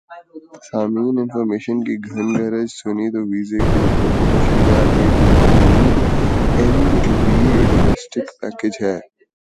سامعین انفارمیشن کی گھن گرج سنیں تو ویزے کی رپورٹ میں پوشیدہ ایک محدود ایل وی ڈومیسٹک پیکج ہے